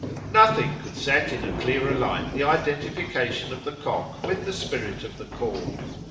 Nothing could set in a clearer light the identification of the cock with the spirit of the corn.